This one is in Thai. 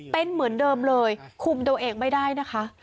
เป็นเหมือนเดิมเลยคุมตัวเองไม่ได้นะคะ